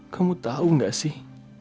kamu tahu gak sih